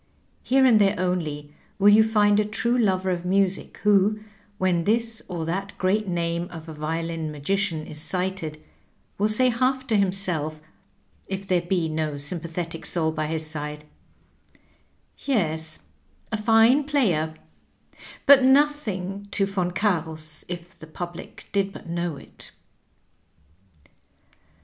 Here and there only will you find a true lover of music who, when this or that great name of a violin magician is cited, will say half to himself if there be no sympathetic soul by his side, "Yes, a fine player; but nothing to Yon Cams, if the public did but know it."